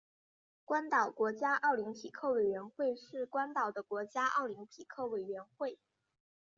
关岛国家奥林匹克委员会是关岛的国家奥林匹克委员会。